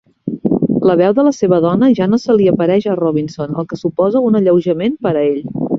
La veu de la seva dona ja no se li apareix a Robinson, el que suposa un alleujament per a ell.